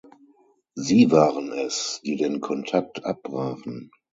Sie waren es, die den Kontakt abbrachen.